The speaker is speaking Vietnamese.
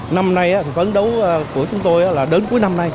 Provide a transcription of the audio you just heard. năm nay thì phấn đấu của chúng tôi là đến cuối năm nay